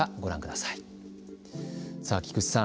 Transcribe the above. さあ、菊池さん